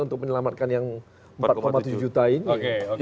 untuk menyelamatkan yang empat tujuh juta ini